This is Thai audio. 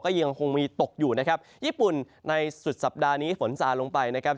ยังคงมีตกอยู่นะครับญี่ปุ่นในสุดสัปดาห์นี้ฝนสาลงไปนะครับ